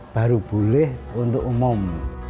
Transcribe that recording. baru boleh untuk umum